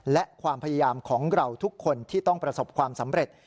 และความพยายามของเราทุกคนที่ต้องประสบความสำเร็จ